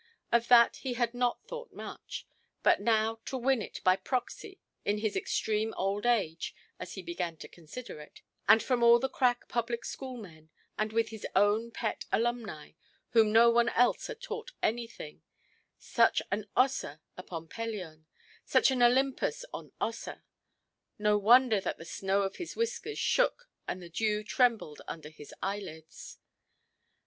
Of that he had not thought much. But now to win it by proxy in his extreme old age, as he began to consider it, and from all the crack public schoolmen, and with his own pet alumni, whom no one else had taught anything—such an Ossa upon Pelion, such an Olympus on Ossa—no wonder that the snow of his whiskers shook and the dew trembled under his eyelids.